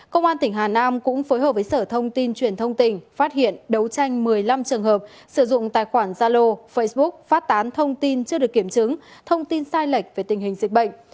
công an tỉnh hà nam cũng phối hợp với sở thông tin truyền thông tỉnh phát hiện đấu tranh một mươi năm trường hợp sử dụng tài khoản zalo facebook phát tán thông tin chưa được kiểm chứng thông tin sai lệch về tình hình dịch bệnh